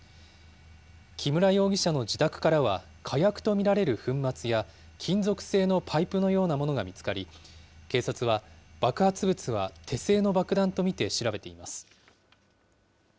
木村容疑者の自宅からは、火薬と見られる粉末や、金属製のパイプのようなものが見つかり、警察は爆発物は手製の爆弾と見て調べています。